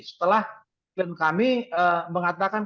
setelah klien kami mengatakan